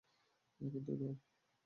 এখন তো নাও।